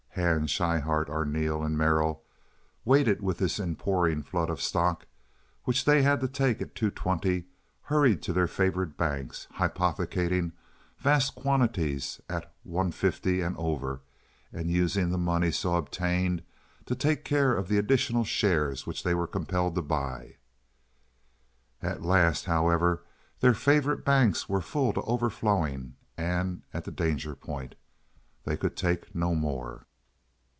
Hand, Schryhart, Arneel, and Merrill, weighted with this inpouring flood of stock, which they had to take at two twenty, hurried to their favorite banks, hypothecating vast quantities at one fifty and over, and using the money so obtained to take care of the additional shares which they were compelled to buy. At last, however, their favorite banks were full to overflowing and at the danger point. They could take no more.